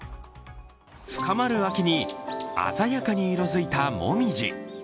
深まる秋に鮮やかに色づいた紅葉。